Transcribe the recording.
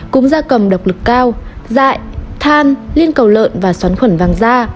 cũng ra cầm độc lực cao sại than liên cầu lợn và xoắn khuẩn vang gia